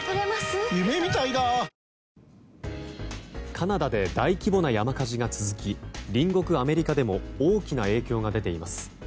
カナダで大規模な山火事が発生して隣国アメリカでも大きな影響が出ています。